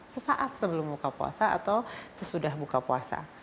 sesaat sebelum buka puasa atau sesudah buka puasa